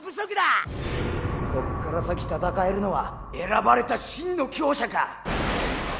こっから先闘えるのは選ばれた真の強者か。